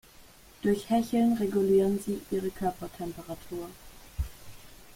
Durch Hecheln regulieren sie ihre Körpertemperatur.